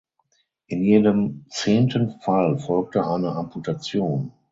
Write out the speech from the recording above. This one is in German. In jedem zehnten Fall folgte eine Amputation.